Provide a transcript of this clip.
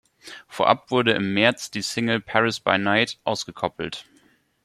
Vorab wurde im März die Single "Paris by Night" ausgekoppelt.